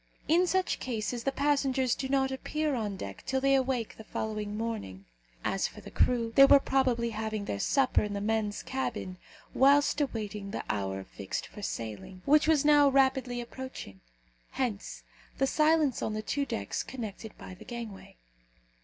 In such cases the passengers do not appear on deck till they awake the following morning. As for the crew, they were probably having their supper in the men's cabin, whilst awaiting the hour fixed for sailing, which was now rapidly approaching. Hence the silence on the two decks connected by the gangway.